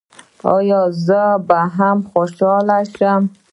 ایا زه به هم خوشحاله شم؟